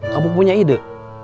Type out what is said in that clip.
kamu punya ide